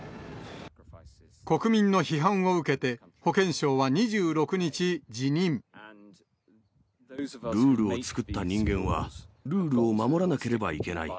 国民の批判を受けて、保健相ルールを作った人間は、ルールを守らなければいけない。